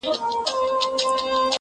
نه شاهین به یې له سیوري برابر کړي،